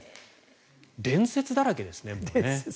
伝説だらけですね。